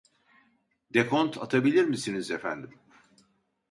Dekont atabilir misiniz efendim ?